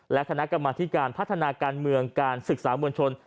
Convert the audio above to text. และคณะกรรมธิการพัฒนาการเมืองการศึกษามวลชน